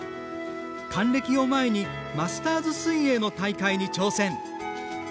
還暦を前にマスターズ水泳の大会に挑戦。